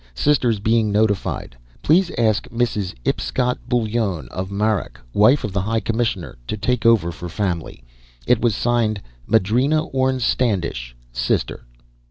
Sisters being notified. Please ask Mrs. Ipscott Bullone of Marak, wife of the High Commissioner, to take over for family." It was signed: "Madrena Orne Standish, sister."